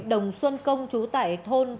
đồng xuân công trú tại thôn